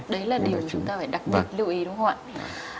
đấy là điều chúng ta phải đặc biệt lưu ý đúng không ạ